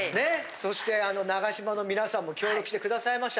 そして長島のみなさんも協力してくださいました。